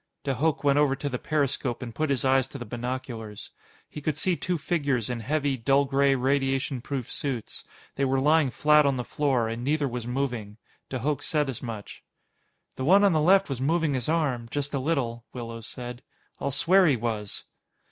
De Hooch went over to the periscope and put his eyes to the binoculars. He could see two figures in heavy, dull gray radiation proof suits. They were lying flat on the floor, and neither was moving. De Hooch said as much. "The one on the left was moving his arm just a little," Willows said. "I'll swear he was."